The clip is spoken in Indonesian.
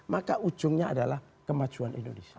maka ujungnya adalah kemajuan indonesia